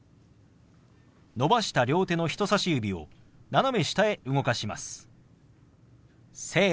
伸ばした両手の人さし指を斜め下へ動かします。